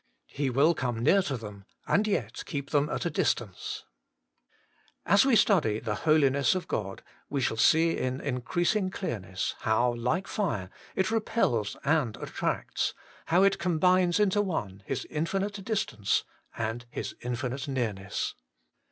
He will come near to them, and yet keep them at a distance. As we study the 40 HOLY IN CHRIST. Holiness of God, we shall see in increasing clearness how, like fire, it repels and attracts, how it combines into one His infinite distance and His infinite nearness.